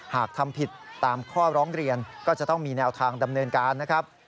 หากทำผิดตามข้อร้องเรียนก็จะต้องมีแนวทางดำเนินการนะครับ